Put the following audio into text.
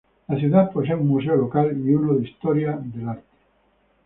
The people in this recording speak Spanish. La ciudad posee un museo local y uno de historia y arte.